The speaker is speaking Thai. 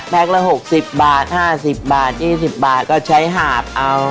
แพ็กละหกสิบบาทห้าสิบบาทยี่สิบบาทก็ใช้หาบเอา